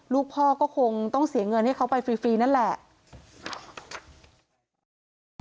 ลูกพ่อก็คงต้องเสียเงินให้เขาไปฟรีนั่นแหละ